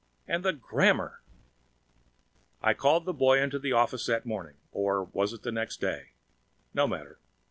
And the grammar! I called the boy to the office that morning or was it the next day? No matter.